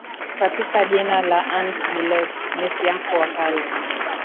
katika jina la Ant Bullet ni siafu wakali